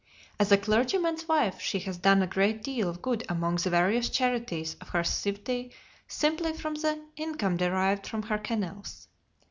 As a clergyman's wife she has done a great deal of good among the various charities of her city simply from the income derived from her kennels.